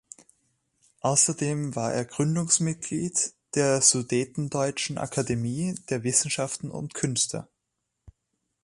Außerdem war er Gründungsmitglied der Sudetendeutschen Akademie der Wissenschaften und Künste.